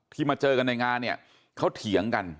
ที่มาเจอกันในงานเขาเถียงกัน